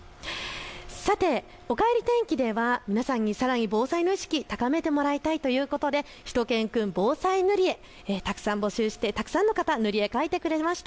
さて、おかえり天気では皆さんにさらに防災の意識を高めてもらいたいということでしゅと犬くん防災塗り絵、たくさん募集してたくさんの方が塗り絵を描いてくれました。